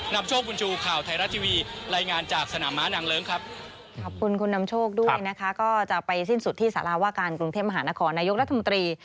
ขอบคุณคุณน้ำโชคด้วยนะครับก็จะไปสิ้นสุดที่สละวะการกรุงเทพมหานครนายยกรัฐบนตรี